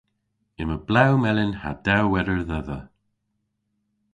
Yma blew melyn ha dewweder dhedha.